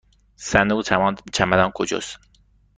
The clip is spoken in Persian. صندوق چمدان کجاست؟